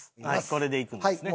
これでいくんですね。